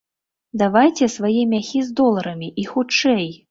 Давайце свае мяхі з доларамі, і хутчэй!